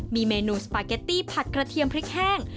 มีเมนูสปาเกตตี้ผัดกระเทียมพริกแห้ง